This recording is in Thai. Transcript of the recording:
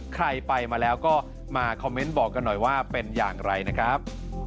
ใครไปมาแล้วก็มาคอมเมนต์บอกกันหน่อยว่าเป็นอย่างไรนะครับ